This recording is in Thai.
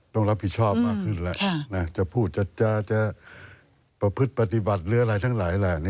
ต้องรับผิดชอบมากขึ้นแล้วจะพูดจะประพฤติปฏิบัติหรืออะไรทั้งหลายแหละ